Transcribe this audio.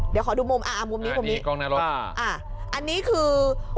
เดี๋ยวขอดูมุมอ่ามุมนี้อ่ามุมนี้อ่าอันนี้คือโอ้โห